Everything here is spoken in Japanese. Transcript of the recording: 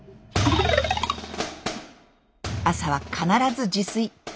朝は必ず自炊。